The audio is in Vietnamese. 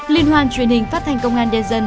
liên hoan truyền hình phát thanh công an nhân dân